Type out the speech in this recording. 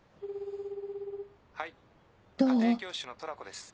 はい家庭教師のトラコです